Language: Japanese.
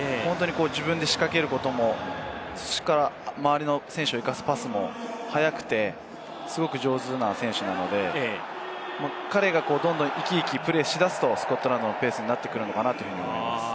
自分で仕掛けることも、周りの選手を生かすパスも速くて、すごく上手な選手なので彼がどんどん生き生きプレーしだすと、スコットランドのペースになってくるのかなと思います。